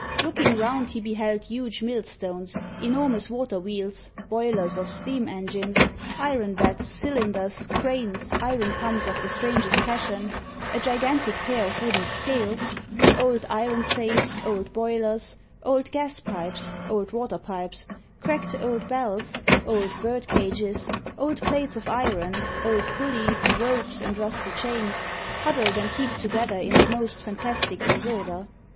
Looking round, he beheld huge mill stones, enormous water wheels, boilers of steam engines, iron vats, cylinders, cranes, iron pumps of the strangest fashion, a gigantic pair of wooden scales, old iron safes, old boilers, old gas pipes, old water pipes, cracked old bells, old bird cages, old plates of iron, old pulleys, ropes, and rusty chains, huddled and heaped together in the most fantastic disorder.